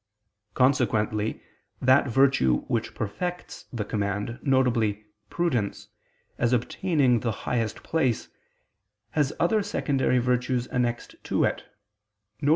Consequently, that virtue which perfects the command, viz. prudence, as obtaining the highest place, has other secondary virtues annexed to it, viz.